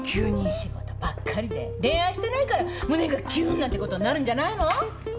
仕事ばっかりで恋愛してないから胸がキューンなんてことになるんじゃないの？